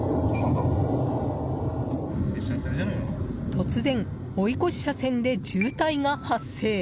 突然、追い越し車線で渋滞が発生。